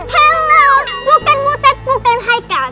hello bukan butet bukan haikal